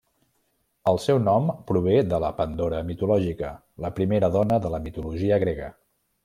El seu nom prové de la Pandora mitològica, la primera dona de la mitologia grega.